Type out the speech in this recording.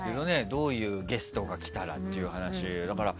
どういうゲストが来たらという話。